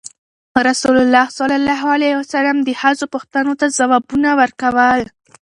رسول ﷺ د ښځو پوښتنو ته ځوابونه ورکول.